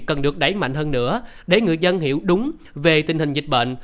cần được đẩy mạnh hơn nữa để người dân hiểu đúng về tình hình dịch bệnh